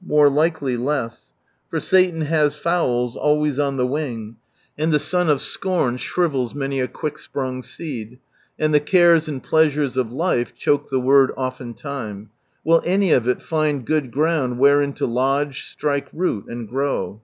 More likely less. For Satan has fowls always on the wing, and the sun of scorn shrivels many a quick sprung seed, and the cares and pleasures of life choke the Word oftentime ; will any of it find wherein to lodge, strike root, and grow?